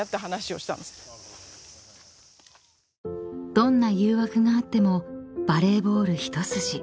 ［どんな誘惑があってもバレーボール一筋］